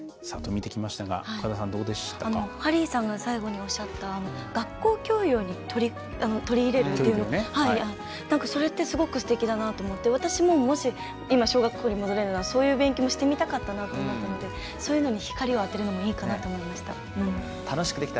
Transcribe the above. ハリーさんが最後におっしゃった学校教育に取り入れるっていうそれってすごくすてきだなと思って私ももし今、小学校に戻れるならそういう勉強もしてみたかったなと思ったのでそういうものに光を当てるのもいいかなと思いました。